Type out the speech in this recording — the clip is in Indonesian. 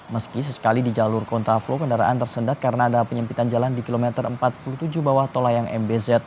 meski sesekali di jalur kontraflow kendaraan tersendat karena ada penyempitan jalan di kilometer empat puluh tujuh bawah tol layang mbz